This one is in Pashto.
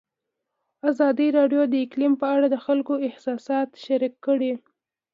ازادي راډیو د اقلیم په اړه د خلکو احساسات شریک کړي.